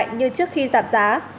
như trước khi giảm giá